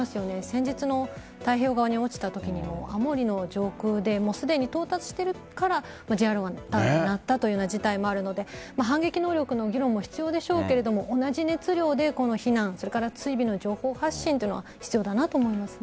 先日の太平洋側に落ちたときにも青森の上空ですでに到達しているからＪアラートが鳴ったという事態もあるので反撃能力の議論も必要でしょうけど同じ熱量で避難それから追尾の情報発信も必要だと思います。